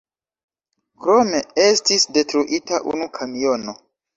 Krome estis detruita unu kamiono.